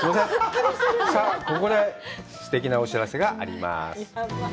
さあ、ここですてきなお知らせがあります。